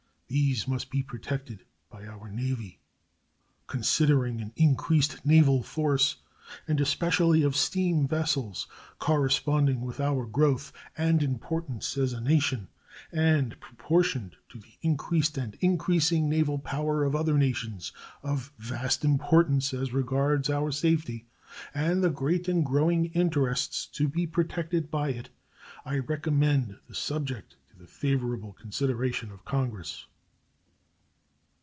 These must be protected by our Navy. Considering an increased naval force, and especially of steam vessels, corresponding with our growth and importance as a nation, and proportioned to the increased and increasing naval power of other nations, of vast importance as regards our safety, and the great and growing interests to be protected by it, I recommend the subject to the favorable consideration of Congress.